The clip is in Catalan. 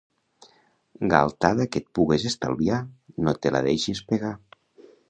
Galtada que et pugues estalviar, no te la deixes pegar.